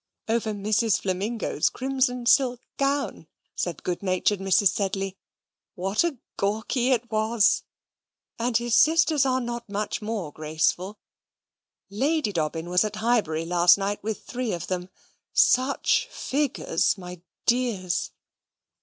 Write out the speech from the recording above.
"Over Mrs. Flamingo's crimson silk gown," said good natured Mrs. Sedley. "What a gawky it was! And his sisters are not much more graceful. Lady Dobbin was at Highbury last night with three of them. Such figures! my dears."